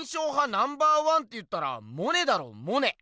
ナンバーワンっていったらモネだろモネ！